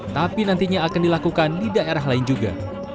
tapi nantinya akan dilakukan di daerah lain juga